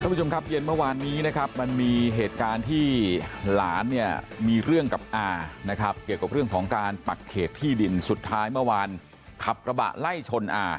ผู้ชมครับเย็นเมื่อวานนี้นะครับมันมีเหตุการณ์ที่หลานเนี่ยมีเรื่องกับอานะครับเกี่ยวกับเรื่องของการปักเขตที่ดินสุดท้ายเมื่อวานขับกระบะไล่ชนอา